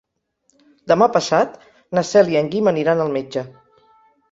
Demà passat na Cel i en Guim aniran al metge.